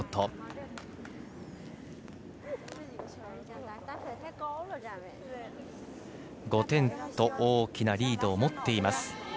日本、５点と大きなリードを持っています。